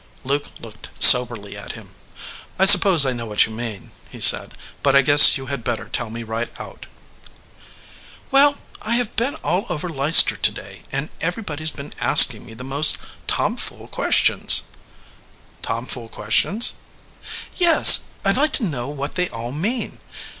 Luke looked soberly at him. "I suppose I know what you mean," he said, "but I guess you had better tell me right out." "Well, I have been all over Leicester to day, and everybody s been asking me the most torn fool questions." "Tom fool questions ?" "Yes. I d like to know what they all mean.